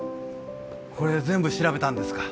これ全部調べたんですか？